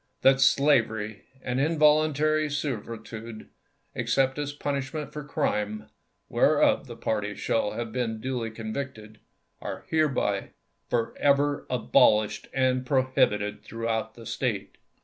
That slavery and involuntary servitude, except as a punishment for crime, whereof the party shall have been duly convicted, are hereby forever abolished and prohibited throughout the State.